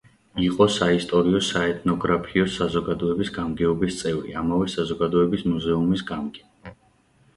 იყო საისტორიო-საეთნოგრაფიო საზოგადოების გამგეობის წევრი, ამავე საზოგადოების მუზეუმის გამგე.